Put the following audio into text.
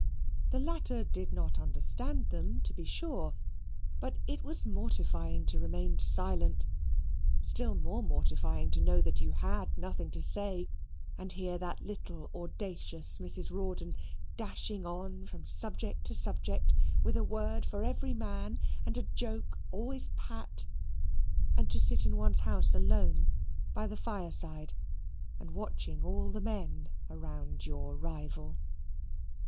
The latter did not understand them, to be sure, but it was mortifying to remain silent; still more mortifying to know that you had nothing to say, and hear that little audacious Mrs. Rawdon dashing on from subject to subject, with a word for every man, and a joke always pat; and to sit in one's own house alone, by the fireside, and watching all the men round your rival.